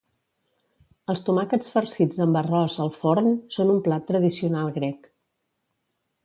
Els tomàquets farcits amb arròs al forn són un plat tradicional grec.